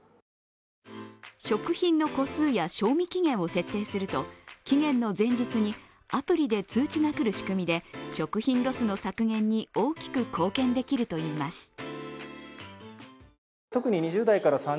食品の個数や賞味期限を設定すると期限の前日にアプリで通知が来る仕組みで食品ロスの削減に大きく貢献できるといいます。